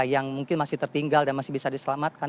yang mungkin masih tertinggal dan masih bisa diselamatkan